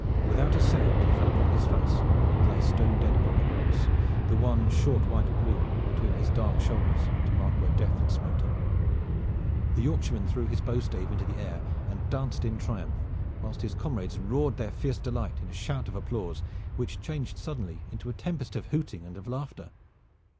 Without a sound he fell upon his face and lay stone dead upon the grass, the one short white plume between his dark shoulders to mark where Death had smote him. The Yorkshireman threw his bowstave into the air and danced in triumph, whilst his comrades roared their fierce delight in a shout of applause, which changed suddenly into a tempest of hooting and of laughter.